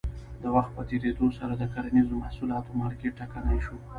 د وخت په تېرېدو سره د کرنیزو محصولاتو مارکېټ ټکنی شو.